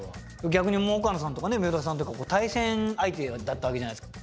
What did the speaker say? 逆に岡野さんとかね三浦さんとか対戦相手だったわけじゃないですか。